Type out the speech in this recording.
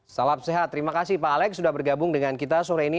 salam sehat terima kasih pak alex sudah bergabung dengan kita sore ini